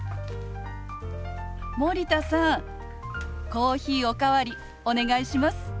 コーヒーお代わりお願いします。